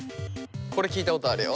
これ聞いたことあるよ。